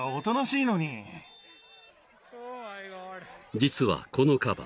［実はこのカバ